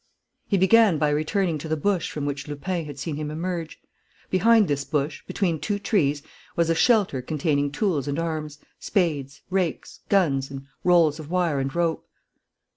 He began by returning to the bush from which Lupin had seen him emerge. Behind this bush, between two trees, was a shelter containing tools and arms, spades, rakes, guns, and rolls of wire and rope.